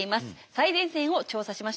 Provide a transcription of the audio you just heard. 最前線を調査しました。